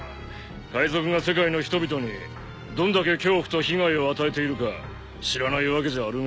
海賊が世界の人々にどんだけ恐怖と被害を与えているか知らないわけじゃあるめえし。